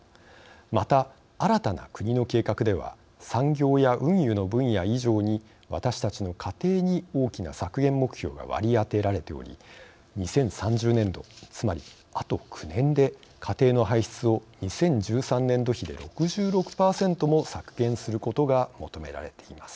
また、新たな国の計画では産業や運輸の分野以上に私たちの家庭に大きな削減目標が割り当てられており２０３０年度つまり、あと９年で家庭の排出を２０１３年度比で６６％も削減することが求められています。